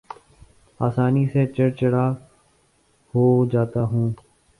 آسانی سے چڑ چڑا ہو جاتا ہوں